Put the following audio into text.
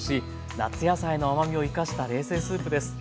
夏野菜の甘みを生かした冷製スープです。